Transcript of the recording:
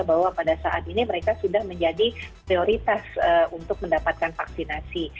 bahwa pada saat ini mereka sudah menjadi prioritas untuk mendapatkan vaksinasi